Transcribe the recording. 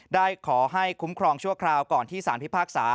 ได้ขอให้คุ้มครองชั่วคราวก่อนที่สารพิพากษา